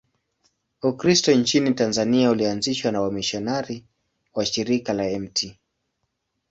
Ukristo nchini Tanzania ulianzishwa na wamisionari wa Shirika la Mt.